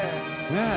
ねえ。